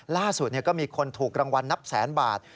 ล่าสุดก็มีคนถูกรางวัลนับแสนบาท